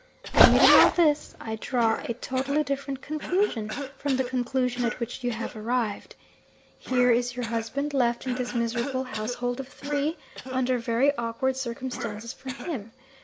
Admitting all this, I draw a totally different conclusion from the conclusion at which you have arrived. Here is your husband left in this miserable household of three, under very awkward circumstances for him.